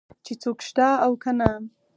چې څوک شته او که نه.